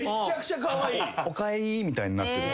「おかえり」みたいになってて。